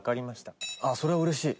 藤ヶ谷：それはうれしい。